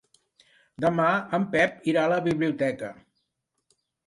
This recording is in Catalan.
Demà en Pep irà a la biblioteca.